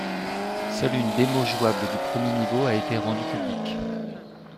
Seul une démo jouable du premier niveau a été rendu publique.